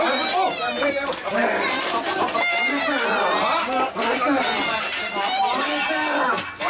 หัวเจ้นหัวเจ้น